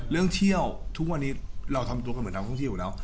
เรื่องเที่ยวทุกวันนี้เราทำตัวเหมือนทำท่องเที่ยวแล้ว